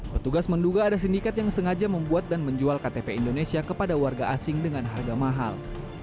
petugas menduga ada sindikat yang sengaja membuat dan menjual ktp indonesia kepada warga asing dengan harga mahal